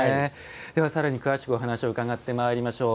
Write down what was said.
では、さらに詳しくお話を伺ってまいりましょう。